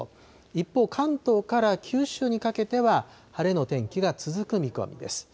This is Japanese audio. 一方、関東から九州にかけては晴れの天気が続く見込みです。